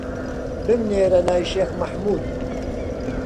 بمنێرە لای شێخ مەحموود